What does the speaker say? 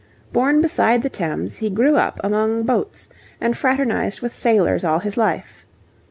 Born beside the Thames, he grew up among boats and fraternized with sailors all his life.